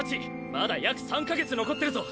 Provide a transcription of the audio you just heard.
まだ約３か月残ってるぞ！